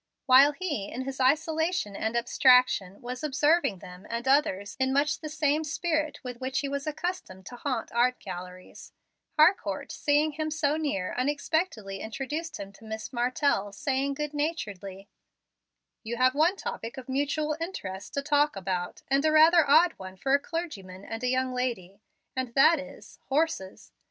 While he in his isolation and abstraction was observing them and others in much the same spirit with which he was accustomed to haunt art galleries, Harcourt, seeing him so near, unexpectedly introduced him to Miss Martell, saying good naturedly: "You have one topic of mutual interest to talk about, and a rather odd one for a clergyman and a young lady, and that is horses.